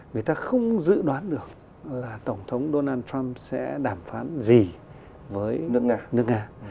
người ta không dự đoán được là tổng thống donald trump sẽ đàm phán gì với nước nga